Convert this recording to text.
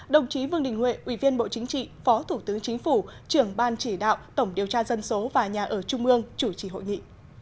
đồng chí vương đình huệ ủy viên bộ chính trị phó thủ tướng chính phủ trưởng ban chỉ đạo tổng điều tra dân số và nhà ở trung ương chủ trì hội nghị